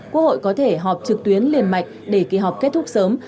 quốc hội có thể họp trực tuyến liền mạch để kỳ họp kết thúc sớm